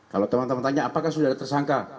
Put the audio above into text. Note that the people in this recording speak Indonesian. kalau teman teman tanya apakah sudah ada tersangka